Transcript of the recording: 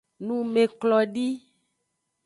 Numeklodi.